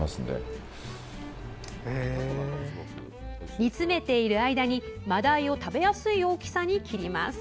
煮詰めている間にマダイを食べやすい大きさに切ります。